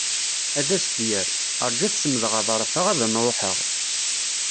Ad as-d-yerr: Arju ad semdeɣ aḍref-a ad n-ruḥeɣ.